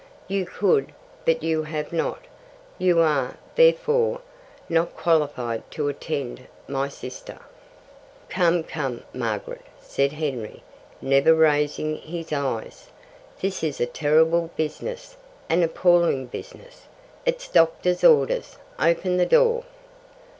"You could, but you have not. You are, therefore, not qualified to attend my sister." "Come, come, Margaret!" said Henry, never raising his eyes. "This is a terrible business, an appalling business. It's doctor's orders. Open the door."